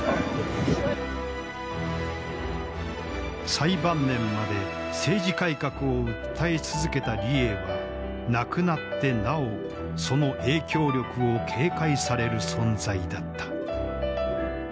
最晩年まで政治改革を訴え続けた李鋭は亡くなってなおその影響力を警戒される存在だった。